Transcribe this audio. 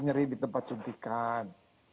kemerahan di tempat suntikan